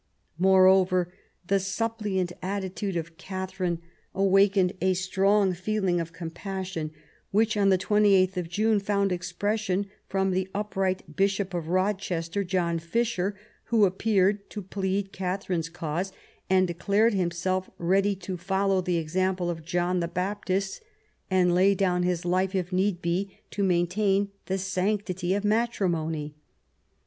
Moreover, the suppliant attitude of Katharine awakened a strong feeling of compassion, which on 28th June found expression from the upright Bishop of Eochester, John Fisher, who appeared to plead Kath arine's cause, and declared himself ready to follow the example of John the Baptist and lay down his life, if need be, to maintain the sanctity of matrimony.